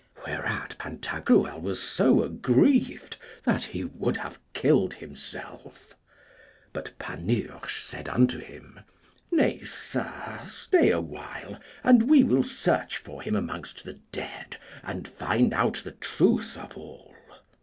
Whereat Pantagruel was so aggrieved that he would have killed himself. But Panurge said unto him, Nay, sir, stay a while, and we will search for him amongst the dead, and find out the truth of all.